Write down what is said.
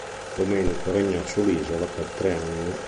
Domenico regnò sull'isola per tre anni.